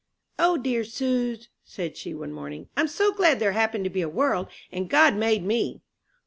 "O dear suz," said she, one morning, "I'm so glad there happened to be a world, and God made me!"